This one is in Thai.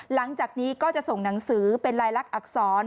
หลังจากนี้ก็จะส่งหนังสือเป็นลายลักษณอักษร